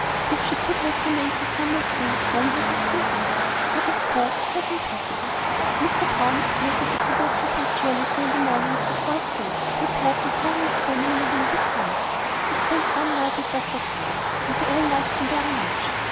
If she could have remained the summer through, all would have seemed easy; but that of course was impossible. Mr. Browne appeared with a provoking punctuality on the morning of the fourth day, prepared to carry his family away with him. He spent one night at Dr. Carr's, and they all liked him very much.